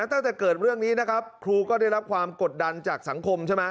ตั้งแต่เกิดเรื่องนี้นะครับครูก็ได้รับความกดดันจากสังคมใช่ไหม